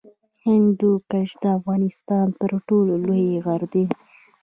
هندوکش د افغانستان تر ټولو لوی غر دی